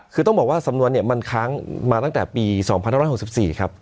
คือต้องบอกว่าสำนวนเนี้ยมันค้างมาตั้งแต่ปีสองพันร้อยห้องสิบสี่ครับ